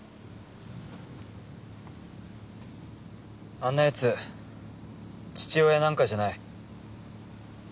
あんなやつ父親なんかじゃない